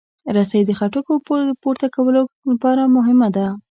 رسۍ د خټکو د پورته کولو لپاره مهمه ده.